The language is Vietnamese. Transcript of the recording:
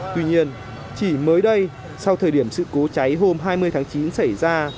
tuy nhiên chỉ mới đây sau thời điểm sự cố cháy hôm hai mươi tháng chín xảy ra